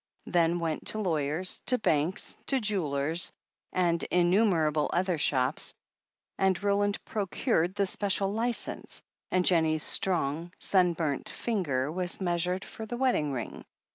They went to lawyers, to banks, to jewellers and in 426 THE HEEL OF ACHILLES numerable other shops, and Roland procured the special licence, and Jennie's strong, sunburnt finger was meas ured for the wedding ring.